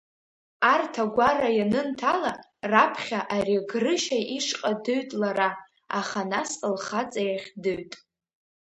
Арҭ агәара ианынҭала, раԥхьа ари Грышьа ишҟа дыҩт лара, аха нас лхаҵа иахь дыҩт.